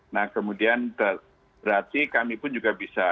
nah kemudian berarti kami pun juga bisa